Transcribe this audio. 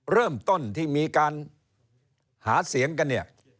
เริ่มต้นที่มีการหาเสียงกันเนี่ย